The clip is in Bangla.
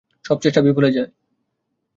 সব চেষ্টা বিফলে যায়।